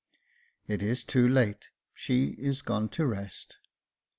*'It is too late ; she is gone to rest."